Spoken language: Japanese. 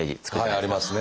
ありますね。